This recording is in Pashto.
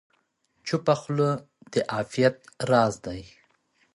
چپه خوله، د عافیت راز دی.